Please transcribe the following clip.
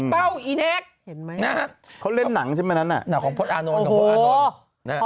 เป้าอีแน็กนะฮะเห็นไหมอ่ะเขาเล่นหนังใช่ไหมนั้นน่ะหนังของพอสต์อานนอน